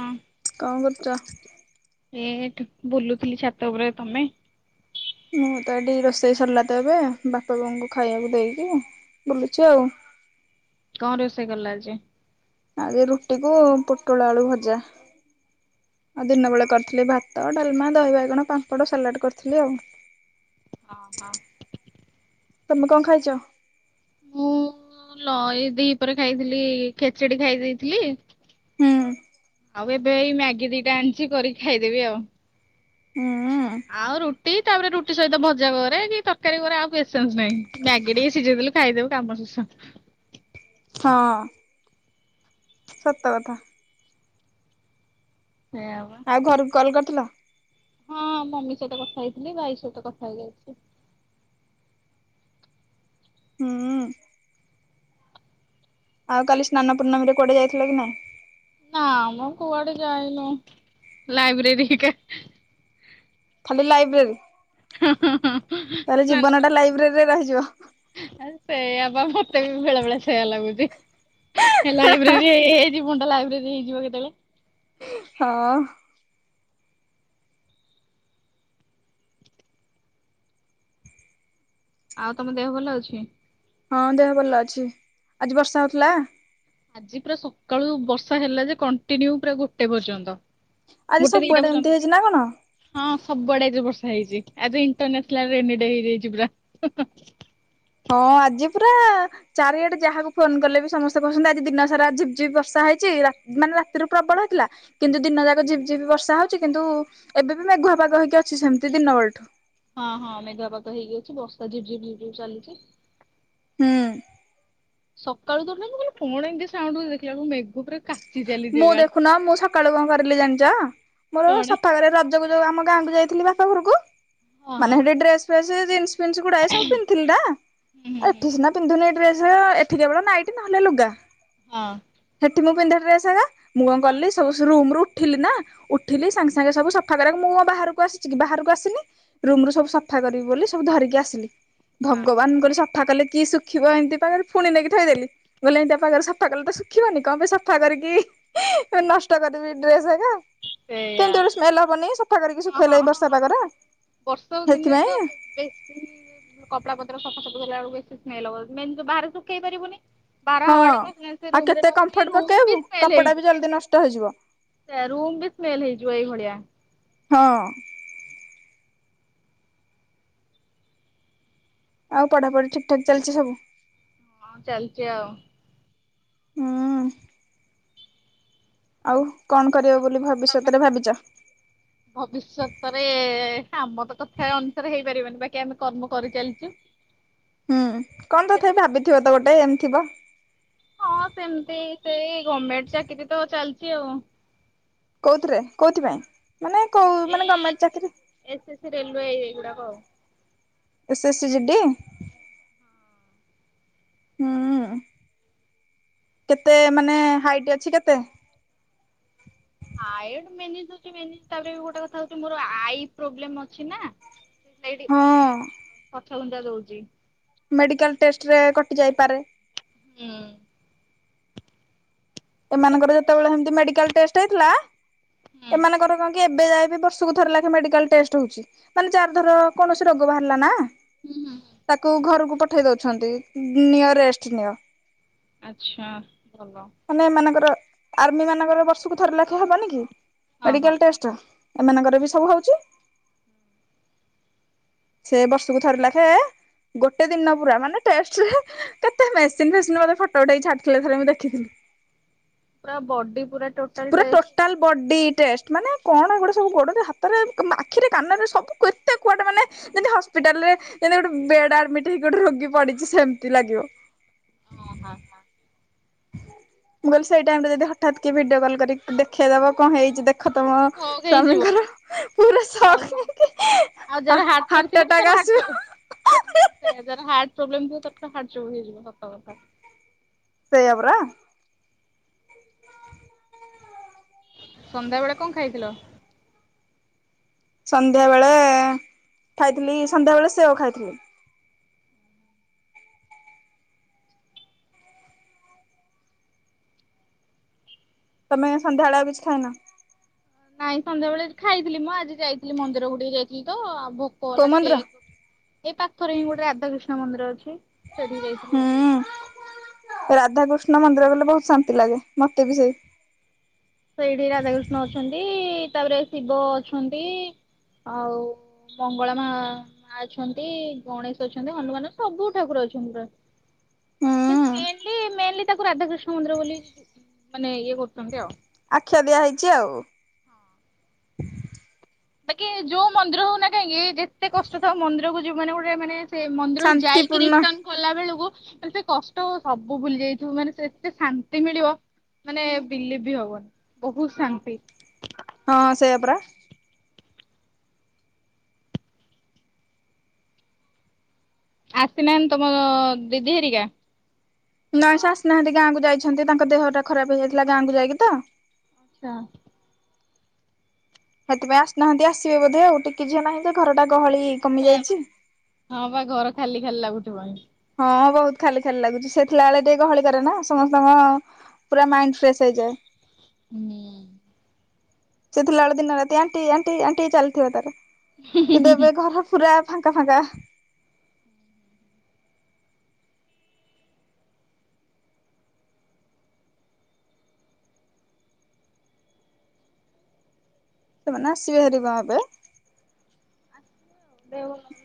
ହଁ। କଣ କରୁଚ? ଏ ଏଠୁ ବୁଲୁଥିଲି ଛାତ ଉପରେ ତମେ। ମୁଁ ତ ଏଠି ରୋଷେଇ ସାଲା ତ ଏବେ ବାପା ବୋଉଙ୍କୁ ଖାଇବାକୁ ଦେଇକି ବୁଲୁଛି ଆଉ। କଣ ରୋଷେଇ କଲ ଆଜି? ଆଉ ଯେ ରୁଟିକୁ ପୋଟଳ ଆଳୁ ଭଜା ଆଉ ଦିନବେଳେ କରିଥିଲି ଭା ତ ଡାଲମା ଦହି ବାଇଗଣ ପାମ୍ପଡ ସାଲାଡ଼୍ କରିଥିଲି ଆଉ। ହଁ ହଁ। ତମେ କଣ ଖାଇଚ। ମୁଁ ଲ ଏ ଦି ପରେ ଖାଇଥିଲି ଖେଚେଡି ଖାଇ ଦେଇଥିଲି। ହୁଁ। ଆଉ ଏବେ ଏଇ ମ୍ୟାଗି ଦିଇଟା ଆଣିଚି କରିକି ଖାଇଦେବି ଆଉ। ହୁଁ। ଆଉ ରୁଟି ତାପରେ ରୁଟି ସହିତ ଭଜା କରେ କି ତରକାରୀ କରେ ଆଉ ପେସେନ୍ସ ନାହିଁ। ମ୍ୟାଗି ଟିକେ ସିଝେଇ ଦେଲୁ। ଖାଇଦୋବୁ କାମ ଶେଷ। ହଁ ସତ କଥା। ସେଇପା। ଆଉ ଘରକୁ କଲ୍ କରିଥିଲ? ହଁ ମମି ସହିତ କଥା ହେଇଥିଲି ଭାଇ ସହିତ କଥା ହେଇଯାଇଥିଲି। ହୁଁ। ଆଉ କାଲି ସ୍ନାନପୂର୍ଣମୀରେ କୁଆଡେ ଯାଇଥିଲ କି ନାଇଁ? ନାଁ ମ କୁଆଡେ ଯାଇନୁ ଲାଇବ୍ରେରି ହିକା [unintelligible] ଖାଲି ଲାଇବ୍ରେରୀ ତାହେଲେ ଜୀବନଟା ଲାଇବ୍ରେରୀରେ ରହିଯିବ। ଆ ସେଇୟା ପା ମତେ ବି ବେଳେ ବେଳେ ସେଇୟା ଲାଗୁଚି। ଏ ଲାଇବ୍ରେରୀ ହେଇ ହେଇ ଜୀ ବନଟା ଲାଇବ୍ରେରୀ ହେଇଯିବ କେତେବେଳେ। ହଁ। ଆଉ ତମ ଦେହ ଭଲ ଅଛି? ହଁ ଦେହ ଭଲ ଅଛି। ଆଜି ବର୍ଷା ହୋଉଥିଲା? ଆଜି ପୁରା ସକାଳୁ ବର୍ଷା ହେଲା ଯେ କଣ୍ଟିନ୍ୟୁ ପୁରା ଗୋଟେ ପର୍ଯ୍ୟନ୍ତ। ଆଜି ଗୋଟେ ଦିଇଟା ସବୁଆଡେ ଏମିତି ପର୍ଯ୍ୟନ୍ତ। ହେଇଛି ନା କଣ? ହଁ ସବୁ ଆଡେ ଏଇଥର ବର୍ଷା ହେଇଚି। ଆଜି ଇଣ୍ଟରନ୍ୟାସନାଲ ରେନି ଡେ ହେଇଯାଇଚି ପୁରା। [unintelligible] ହଁ ଆଜି ପୁରା ଚାରିଆଡେ ଯାହାକୁ ଫୋନ୍ କଲେ ବି ସମସ୍ତେ କୋହୁଛନ୍ତି ଆଜି ଦିନ ସାରା ଝିପ ଝିପି ବର୍ଷା ହେଇଚି ରା ମାନେ ରାତିରୁ ପ୍ରବଳ ହେଇଥିଲା। କିନ୍ତୁ ଦିନ ଯାକ ଝିିପ୍ ଝିପ୍ ବର୍ଷା ହୋଉଚି କିନ୍ତୁ ଏବେ ବି ମେଘୁଆ ପାଗ ହେଇକି ଅଛି ସେମିତି ଦିନ ବେଳଠୁ। ହଁ ହଁ ମେଘୁଆ ପାଗ ହେଇକି ଅଛି ବର୍ଷା ଝିପ୍ ଝିପ୍ ଝିପ୍ ଝିପ୍ ଚାଲିଚି। ହୁଁ। ସକାଳୁ ତ ଉଠିଲିଣି। ମୁଁ କହିଲି କଣ ଏମିତି ସାଉଣ୍ଡ ହୋଉଚି ଦେଖିଲା ବେଳକୁ ମେଘ ପୁରା କାଚି ଚାଲିଛି ମୁଁ ଏକାବେଳେ। ଦେଖୁନ ମୁଁ ସକାଳୁ କଣ କରିଲି ଜାଣିଚ। ମୋର କଣ ସଫାକରିବାର ଅ ରଜ କୁ ଯୋଉ ଆମ ଗାଁ କୁ ଯାଇଥିଲି ବାପ ଘରକୁ ହଁ ହଁ ମାନେ ହେଟି ଡ୍ରେସ ଫ୍ରେସ ଜିନ୍ସ ଫିନ୍ସ ଗୁଡା ଏ ସବୁ ପିନ୍ଧଥିଲି ନା ହୁଁ ହୁଁ ହୁଁ ଏଠି ସିନା ପିନ୍ଧୁନି ଡ୍ରେସ [unintelligible] ଏଠି କେବଳ ନାଇଟି ନହେଲେ ଲୁଗା। ହଁ। ହେଠି ମୁଁ ପିନ୍ଧେ ଡ୍ରେସଉରା ମୁଁ କଣ ହଁ କଲି ସବୁ ସେ ରୁମରୁ ଉଠିଲି ନା ଉଠିଲି ସାଙ୍ଗେ ସାଙ୍ଗେ ସବୁ ସଫା କରିବା କୁ ମୁଁ ବାହାରକୁ ଆସିଚି କି ବାହାରକୁ ଆସିନି। ରୁମରୁ ସବୁ ସଫା କରିବି ବୋଲି ସବୁ ଧରିକି ଆସିଲି। ହଁ ଭଗବାନ ମୁଁ କହିଲି ସଫା କଲେ କି ଶୁଖିବ ଏମିତି ପାଗରେ ଫୁଣି ନେଇକି ଥୋଇଦେଲି। ବୋଇଲେ ଏମିତିଆ ପାଗରେ ସଫା କଲେ ଶୁଖିବନି କଂ ପାଇଁ ସଫା କରିକି [unintelligible] ନଷ୍ଟ କରିବି ଡ୍ରେସ ହେକା। [unintelligible] କେମତି ସେଇଆ। ଗୋଟେ ସ୍ମେଲ ହବନି ସଫା କରିକି ହଁ ହଁ ଶୁଖେଇଲେ ଏଇ ହଁ ବର୍ଷା ହଁ ପାଗରେ ବର୍ଷା ଦିନେ ତ ହେଥିପାଇଁ ବେଶୀ କପଡା ପତର ସଫାସୁଫି କଲା ବେଳକୁ ବେଶି ସ୍ମେଲ ହବ। ମେନ୍ ତ ବାହାରେ ଶୁଖେଇ ପାରିବୁନି। ବାହାର ହଁ। ହାୱାଟା ପୁରା ସ୍ମେଲ ସେ ଆଉ ରୁମରେ କେତେ [unintelligible] ଏ କମ୍ଫର୍ଟ ରୁମ ପକେଇବୁ ବି ସ୍ମେଲ କପଡା ବି ହେଇଯିବ। ଜଲ୍ଦି ନଷ୍ଟ ହେଇଯିବ। ସେୟା ରୁମ ବି ସ୍ମେଲ ହେଇଯିବ ଏଇଭଳିଆ। ହଁ। ଆଉ ପଢାପଢି ଠିକ୍ ଠାକ୍ ଚାଲିଚି ସବୁ? ହଁ ଚାଲିଚି ଆଉ। ହୁଁଉଁ। ଆଉ କଣ କରିବ ତମେ ବୋଲି ତମେ ଭବିଷ୍ୟତରେ ଭାବିଚ? ଭବିଷ୍ୟତରେ ଆମର ତ ସେ ଅନୁସାରେ ହେଇପାରିବନି ବାକି ଆମେ କର୍ମ କରିଚାଲିଚୁ। [inaudible] ହୁଁ କଣ ତଥାପି ଭାବିଥିବ ତ ଗୋଟେ ଏମ ଥିବ। ହଁ ସେମିତି ସେଇ ଗମେଣ୍ଟ ଚାକିରି ତ ଚାଲିଚି ଆଉ। କୋଉଥିରେ କୋଉଥିପାଇଁ ମାନେ କୋଉ ଏଇ ମାନେ ଗମେଣ୍ଟ ଚାକିରି ଏସ୍ ଏସ୍ ସି ରେଲୱେ ଏହି ଗୁଡାକ ଆଉ। S S C GD? ହୁଁ କେତେ ମାନେ ହାଇଟ୍ ଅଛି କେତେ? ହାଇଟ ମେନ ଜିନିଷ ହଉଚି ମେନ ତାପରେ ବି ଗୋଟେ କଥା ହଉଛି ମୋର ଆଇ ପ୍ରୋବ୍ଲେମ ଅଛି ନା। ହଁ ସେଇଠି ପଛ ଘୁଞ୍ଚା ଦଉଚି। ମେଡିକାଲ ଟେଷ୍ଟରେ କଟି ଯାଇପାରେ। ହୁଁ। ଏମାନଙ୍କର ଦେଖାଯାଉ ଯେତେବେଳେ ହେମତି ମେଡିକାଲ ଟଷ୍ଟ ହେଇଥିଲା ଏମାନଙ୍କର କଣ କି ଏବେ ଯାଏ ବି ବର୍ଷକୁ ଥର ଲାଖେ ମେଡିକାଲ ଟେଷ୍ଟ ହଉଚି। ମାନେ ଯାର ଧର କୌଣସି ରୋଗ ବାହାରିଲା ନା ହୁଁ ହୁଁ ତାକୁ ଘରକୁ ପଠେଇ ଦଉଛନ୍ତି ନିଅ ରେଷ୍ଟ ନିଅ। ଆଚ୍ଛା ଭଲ। ମାନେ ଏମାନଙ୍କର ଆର୍ମି ମାନଙ୍କର ବର୍ଷକୁ ଥର ଲାଖେ ହବନି କି ହଁ ହଁ ମେଡିକାଲ ଟେଷ୍ଟ? ଏମାନଙ୍କର ବି ସବୁ ହଉଚି। ସେ ବର୍ଷକୁ ଥରେ ଲାଖେ ଗୋଟେ ଦିନ ପୁରା ମାନେ ଟେଷ୍ଟ ରେ କେତେ ମେସିନ ଫେସିନ ମତେ ଫଟୋ ଉଠେଇ ଛାଡିଥିଲେ ଥରେ ମୁଁ ଦେଖିଥିଲି। ପୁରା ବଡି ପୁରା ଟୋଟାଲ ପୁରା ଟେଷ୍ଟ ଟୋଟାଲ ବଡି ଟେଷ୍ଟ। ମାନେ କଣ ଏଗୁଡ଼ା ସବୁ ଗୋଡ଼ରେ ହାତରେ ଆଖିରେ କାନରେ ସବୁ କେତେ କୁଆଡ଼େ ମାନେ ଯେମିତି ହସ୍ପିଟାଲ ରେ ଯେମତି ଗୋଟେ ବେଡ ଆଡମିଟ ହେଇି ଗୋଟେ ରୋଗୀ ପଡିଚି ସେମିତି ଲାଗିବ। ଓ ହାଁ ହାଁ। ମୁଁ କହିଲି ସେଇ ଟାଇମ ରେ ଯଦି ହଠାତ୍ କିଏ ଭିଡିଓ କଲ୍ କରିକି ଦେଖେଇଦବ କଣ ହେଇଛି ଦେକ୍। ଦେଖ ତମ ସକ୍ ହେଇଯିବ ସ୍ଵାମୀଙ୍କର ପୁରା ସକ୍ ଶକ୍ ହେଇଯିବ ହେଇକି ହା ହାଟ ଆଟାକ ଆସିବ। ସେୟା ଯାର ହାର୍ଟ ପ୍ରୋବ୍ଲେମ ଥିବ ତାର ତ ହାର୍ଟ ଚୋକ ହେଇଯିବ ସତ କଥା। ସେଇୟା ପରା। ସନ୍ଧ୍ୟା ବେଳେ କଣ ଖାଇଥିଲ? ସନ୍ଧ୍ୟା ବେଳେ ଖାଇଥିଲି ସନ୍ଧ୍ୟା ବେଳେ ସେଓ ଖାଇଥିଲି। ତମେ ସନ୍ଧ୍ୟାବେଳେ ଆଉ କିଛି ଖାଇନ? ନାଇଁ ସନ୍ଧ୍ୟାବେଳେ ଖାଇଥିଲି ମ ମୁଁ ଆଜି ଯାଇଥିଲି ମନ୍ଦିର କୁ ଟିକେ ଯାଇଥିଲି ତ ଆଉ ଭୋ କୋଉ ଭୋକ ମନ୍ଦିର? କେକ ଏ ପାଖରେ ହିଁ ଗୋଟେ ରାଧାକୃିଷ୍ଣ ମନ୍ଦିର ଅଛି। ସେଠିକି ଯାଇଥିଲି ହୁଁ। ଆଉ। ରାଧାକୃଷ୍ଣ ମନ୍ଦିର ଗଲେ ବହୁତ ଶାନ୍ତି ଲାଗେ ମତେ ବି ସେଇ। ସେଇଠି ରାଧାକୃଷ୍ଣ ଅଛନ୍ତି ତାପରେ ଶିବ ଅଛନ୍ତି ଆଉ ମଙ୍ଗଳା ମା ମା ଅଛନ୍ତି ଗଣେଶ ଅଛନ୍ତି ହନୁମାନ ସବୁ ଠାକୁର ଅଛନ୍ତି ପ୍ରାୟେ। କିନ୍ତୁ ହୁଁ ମେନଲି ମେନଲି ତାକୁ ରାଧାକୃଷ୍ଣ ମନ୍ଦିର ବୋଲି ମାନେ ଇଏ କରୁଛନ୍ତି ଆଉ। ଆଖ୍ୟା ଦିଆହେଇଛି ଆଉ। ବାକି ଯୋଉ ମନ୍ଦିର ହଉ ନା କାହିଁକି ଯେତେ କଷ୍ଟ ଥାଉ ମନ୍ଦିରକୁ ଯିବୁ ମାନେ ଗୋଟେ ମାନେ ସେ ମନ୍ଦିରକୁ ଯାଇକି ଶାନ୍ତିପୂର୍ଣ୍ଣ ରିଟନ୍ ଗଲା ବେଳକୁ ସେ କଷ୍ଟ ସବୁ ଭୁଲି ଯାଇଥିବୁ ମାନେ ସେ ଏତେ ଶାନ୍ତି ମିଳିବ। ମାନେ ବିଲିଭ୍ ବି ହବନି ବହୁତ ଶାନ୍ତି। ହଁ ସେଇଆ ପରା। ଆସିନାହାନ୍ତି ତମ ଦିଦି ହେରିକା? ନାଇଁ ସେ ଆସିନାହାନ୍ତି ଗାଁକୁ ଯାଇଛନ୍ତି। ତାଙ୍କ ଦେହଟା ଖରାପ ହେଇଯାଇଥିଲା ଗାଁକୁ ଯାଇକି ତ। ଆଛା। ସେଥିପାଇଁ ଆସିନାହାନ୍ତି ଆସିବେ ବୋଧେ ଆଉ ଟିକି ଝିଅ ନାହିଁଯେ ଘରଟା ଗହଳି କମି ଯାଇଛି। ହଁ ବା ଘର ଖାଲି ଖାଲି ଲାଗୁଥିବଣି। ହଁ ବହୁତ ଖାଲି ଖାଲି ଲାଗୁଛି ସେ ଥିଲାବେଳେ ଟିକେ ଗହଳି କରେ ନା ସମସ୍ତଙ୍କ ପୁରା ମାଇଣ୍ଡ ଫ୍ରେଶ ହେଇଯାଏ। ହୁଁ। ସେ ଥିଲାବେଳେ ଦିନ ରାତି ଆଣ୍ଟି ଆଣ୍ଟି ଆଣ୍ଟି ଚାଲିଥିବ ତାର। କିନ୍ତୁ ଏବେ ଘର ପୁରା ଫାଙ୍କା ଫାଙ୍କା। ସେମାନେ ଆସିବେ ହାରିମ ଏବେ। ଦେହ ଭଲ ନ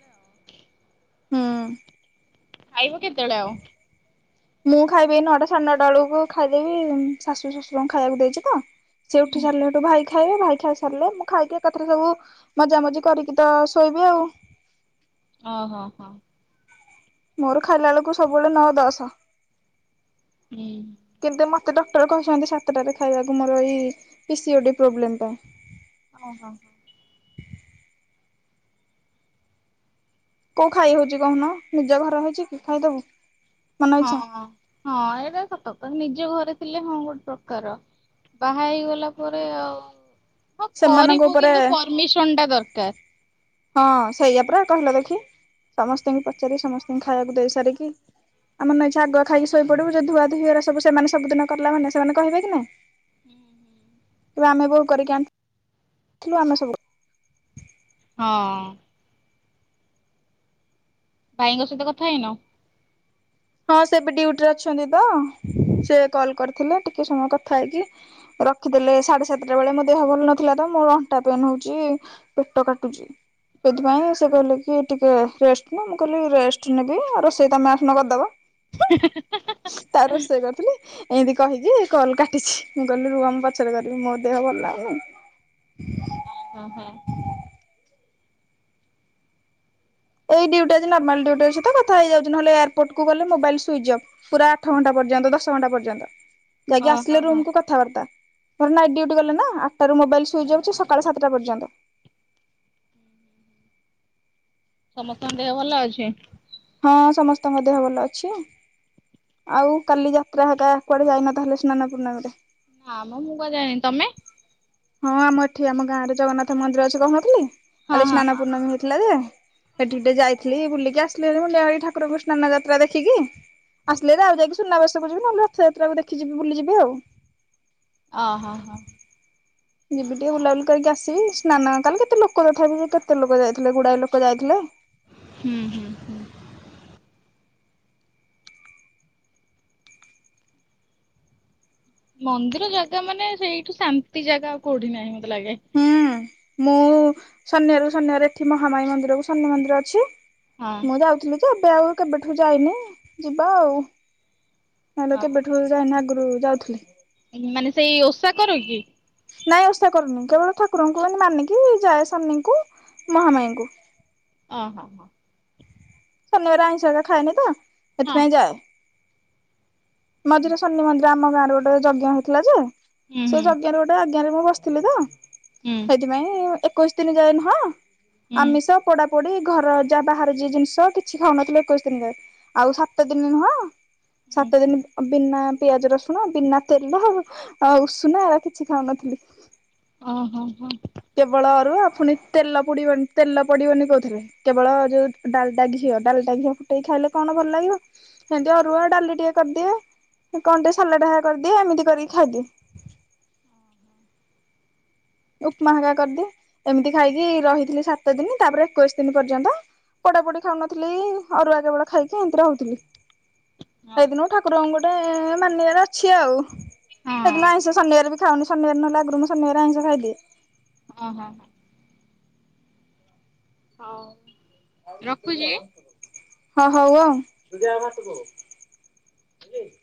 ହୁଁ। ଖାଇବ କେତେବେଳେ ଆଉ? ମୁଁ ଖାଇବି ନଅଟା ସାଢେ ନଅଟା ବେଳକୁ ଖାଇଦେବି ଶାଶୁ ଶ୍ୱଶୁରଙ୍କୁ ଖାଇବାକୁ ଦେଇଛି ତ। ସେ ଉଠି ସାରିଲେ ହେଠୁ ଭାଇ ଖା ଖାଇବେ ଭାଇ ଖାଇ ସାରିଲେ ମୁଁ ଖାଇକି ଏକାଥରେ ସବୁ ମଜା ମଜି କରିକି ତ ଶୋଇବି ଆଉ। ଓହୋ ହଁ। ମୋର ଖାଇଲା ବେଳକୁ ସବୁବେଳେ ନଅ ଦଶ। ହୁଁ। କିନ୍ତୁ ମୋତେ ଡକ୍ଟର କହିଛନ୍ତି ସାତଟାରେ ଖାଇବାକୁ। ମୋର ଏଇ P C O D problem ପାଇଁ। ଓହୋ। କୋଉ ଖାଇ ହଉଛି କହୁନ ନିଜ ଘର ହେଇଛି କି ଖାଇଦବୁ। ମନ ହଁ ଇଚ୍ଛା। ହଁ ଏଇଟା ସତ କଥା ନିଜ ଘରେ ଥିଲେ ହଁ ଗୋଟେ ପ୍ରକାର। ବାହା ହେଇଗଲା ପରେ ଆଉ ହଁ ସେମାନଙ୍କ କରିବୁ ଉପରେ କିନ୍ତୁ ପରମିସନ ଟା ଦରକାର। ହଁ ସେଇଆ ପରା କହିଲ ଦେଖି। ସମସ୍ତଙ୍କୁ ପଚାରିକି ସମସ୍ତଙ୍କୁ ଖାଇବାକୁ ଦେଇ ସାରିକି ଆଉ ମନ ଇଚ୍ଛା ଆଗୁଆ ଖାଇକି ଶୋଇପଡିବୁ ଯୋଉ ଧୁଆ ଧୁଇଆରା ସବୁ ସେମାନେ ସବୁଦିନ କଲା ମାନେ ସେମାନେ କହିବେ କି ନାଁଇ। ହୁଁ ହୁଁ। କହିବେ ଆମେ ବୋହୂ କରିକି ଆଣିଥିଲୁ ଆମେ ସବୁ କରି ହଁ। ଭାଇଙ୍କ ସହିତ କଥା ହେଇନୁ? ହଁ ସେ ଏବେ ଡିଉଟିରେ ଅଛନ୍ତି ତ ସେ କଲ କରିଥିଲେ ଟିକେ ସମୟ କଥା ହେଇକି ରଖିଦେଲେ ସାଢେ ସାତଟା ବେଳେ ମୋ ଦେହ ଭଲ ନଥିଲା ତ ମୋର ଅଣ୍ଟା ପେନ୍ ହଉଛି। ପେଟ କାଟୁଚି ସେଥିପାଇଁ ସେ କହିଲେ କି ଟିକେ ରେସ ନା ମୁଁ କହିଲି ରେଷ୍ଟ ନେବି ଆଉ ରୋଷେଇ ତମେ ଆସୁନ କରିଦେବ। [unintelligible] ତାପରେ ରୋଷେଇ କରୁଥିଲି। ଏମିତି କହିକି କଲ୍ କାଟିଛି। ମୁଁ କହିଲି ରୁହ ମୁ ପଛରେ କରିବି ମୋ ଦେହ ଭଲ ଲାଗୁନି। ଓହୋ ହଁ। ଏଇ ଡ୍ୟୁଟି ଆଜି ନର୍ମାଲ ଡିଉଟିର ସହି କଥାଇଯାଉଛି ନ ହେଲେ ଏୟପୋର୍ଟ କ ଗଲେ ମୋବାଇଲ ସୁଇଚ ଅଫ୍। ପୁରା ଆଠ ଘଣ୍ଟା ପର୍ଯ୍ୟନ୍ତ ଦଶ ଘଣ୍ଟା ପର୍ଯ୍ୟନ୍ତ ଯାଇକି ଓହୋ ଆସିଲେ ହୋ। ରୁମକୁୁ କଥ କଥାବାର୍ତ୍ତାରେ ନାଇଟ୍ ଡୁଟି ଗଲେ ନା ଆଠଟାରୁ ମୋବାଇଲ୍ ସୁଇଚ୍ ଅଫ ଯେ ସକାଳ ସାତଟା ପର୍ଯ୍ୟନ୍ତ ସମସ୍ତଙ୍କ ଦେହ ଭଲ ଅଛି? ହଁ ସମସ୍ତଙ୍କ ଦେହ ଭଲ ଅଛି ଆଉ କାଲି ଯାତ୍ରା ହେ ଏକ କୁଆଡେ ଯାଇନ ତାହେଲେ ସ୍ନାନ ପୂର୍ଣ୍ଣମୀରେ ହଁ ମ ମୁଁ କ ଯାଏ ତମେ ହଁ ଆମ ଏଠି ଆମ ଗାଁ ରେ ଜଗନ୍ନାଥ ମନ୍ଦିର ଅଛି କହୁ ନଥିଲି ହଁ କାଲି ହଁ ସ୍ନାନ ହଁ। ପୂର୍ଣ୍ଣମୀ ହେଇଥିଲା ଯେ ସେଠିିକେ ଯାଇଥିଲି ବୁଲିକି ଆସିଲେ ମୁଣ୍ଡଆଳି ଠାର କୃଷ୍ଣାନ ଯାତ୍ରା ଦେଖିକି ଆସିଲେ ଆଉ ଯାଇକି ସୁନାବେସକୁ ଯିବ ନହେଲେ ରଥଯାତା ଦେଖି ଯିବି [unintelligible] ଯିବି ଆଉ ଓ ହଁ ହଁ। ଯିବି ଟିକେ ବୁଲାବୁଲି କରିକି ଆସିବି ସ୍ନାନ କାଲି କେତେ ଲୋକ ତଥାପି କେତେ ଲୋକ ଯାଇଥିଲେ ଗୁଡ଼ାଏ ଲୋକ ଯାଇଥିଲେ। ହୁଁ ହୁଁ ହୁଁ। ମନ୍ଦିର ଜାଗା ମାନେ ସେଇଠୁ ଶାନ୍ତି ଜାଗା ଆଉ କୋଉଠି ନାହିଁ ମତେ ଲାଗେ। ହୁଁ ମୁଁ ଶନାରୁ ଶନିବାର ଏଠି ମହାମାଇ ମନ୍ଦିରକୁ ସନ ମନ୍ଦିର ଅଛି। ହଁ ମୁଁ ଯାଉଥିଲି ଯେ ଏବେ ଆଉ କେବେଠୁ ଯାଇନି ଯିବା ଆଉ। ନେଲେ ହଁ କେବେଠୁ ଯାଇନା ଆଗରୁ ଯାଉଥିଲେ। ମାନେ ସେଇ ଓଷା କର କି? ନାଇଁ ଓଷା କରୁନି କେବଳ ଠାକୁରଙ୍କୁ ମାନିକି ଯାଏ ସାମନିଙ୍କୁ ମହାମାଇଙ୍କୁ ଓ ହୋ ହଁ। ଶନିବାରେ ଆଇଁଷ ହେରିକା ଖାଇଏନି ତ ହଁ ସେଥିପାଇଁ ଯାଏ। ମଝିରରେ ସୋନି ମନ୍ଦିର ଆମ ଗାଁ ରେ ଗୋଟେ ଯଜ୍ଞ ହେଇଥିଲା ଯେ ହୁଁ ହୁଁ ସେଇଜ୍ଞ ରେ ଗୋଟେ ଗୋଟେ ଆଜ୍ଞାରେ ମୁଁ ବସିଥିଲି ତ ହୁଁ। ଥିପାଇଁ ଏକୋଇଶି ଦିନ ଯାଏନୁହଁ ହୁଁ ଆମିଷ ପୋଡା ପୋଡି ଘର ଯାହା ବାହହାର ଯିଏ ଜିନିଷ କିଛି ଖାଉନଥିଲୁ ଏକୋଇଶି ଦିନରେ ଆଉ ସାତ ଦିନ ନୁହଁ ହୁଁ। ସେଦିନ ବିନା ପିଆଜ ରସୁଣ ବିନା ତେଲ ଆଉ ଉଷୁନା ଏହାର କିଛି ଖାଉନଥିଲି। ହଁ ହଁ। କେବଳ ଆରୁ ଆପୁଣି ତେଲ ପୋଡିବନି ତେଲ ପଡିବନି କହୁଥିରେ। କେବଳ ଯୋଉ ଡାଲଟା ଘିଅ ଡାଲଟା ଘିଅ ଫୁଟେଇ ଖାଇଲେ କଣ ଭଲ ଲାଗିବ? ଏମିତି ଅରୁଆ ଡାଲି ଟିକେ କରିଦିଏ କଣ ଟେ ସାଲା ଢା କରିଦିଏ ଏମିତି କରିକି ଖାଇଦିଏ। ଉପମାହାକା କରିଦି ଏମିତି ଖାଇକି ରହିଥିଲି ସାତ ଦିନ ତାପରେ ଏକୋଇଶି ଦିନ ପର୍ଯ୍ୟନ୍ତ ପଡାପୋଡି ଖାଉନଥିଲି ଆରୁ ଆଗେ ବେଳ ଖାଇକି ଏମତି ରହୁଥିଲି। ହଁ ସେଇଦିନ ଠାକୁରଙ୍କୁ ଗୋଟେ ମାନିବାରେ ଅଛି ଆଉ ସେଇଦିନ ହଁ ଆଇଁଷ ଶନିବାର ଉଶହ ନେ ନହେଲେ ଆଗରୁ ଶନିବାର ଆଇଁଷ ଖାଇଦିଏ। ହଁ ହଁ। ହଉ। ରଖୁଛି। [unintelligible] ହଁ ହଉ।